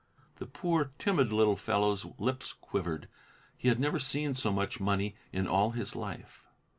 The poor, timid little fellow's lips quivered. He had never seen so much money in all his life.